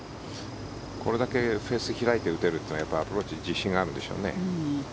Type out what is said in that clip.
これだけフェースを開いて打てるというのはアプローチ自信があるんでしょうね。